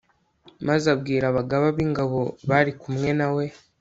maze abwira abagaba b'ingabo bari kumwe na we